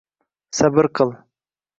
“Sabr qil!